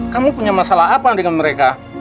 kamu punya masalah apa dengan mereka